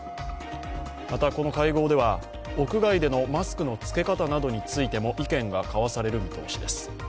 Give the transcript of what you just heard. また、この会合では屋外でのマスクの着け方などについても意見が交わされる見通しです。